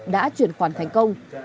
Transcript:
đã chuyển khoản thành công